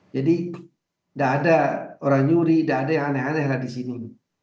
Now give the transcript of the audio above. jadi gak ada orang nyuri gak ada yang aneh aneh lah di sini